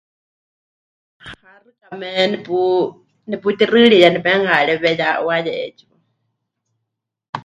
Ha xɨkame nepu... neputixɨɨriyá nepenuharewe ya 'uaye 'eetsiwa.